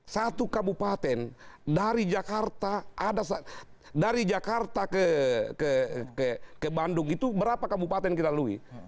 satu kabupaten dari jakarta ke bandung itu berapa kabupaten kita lului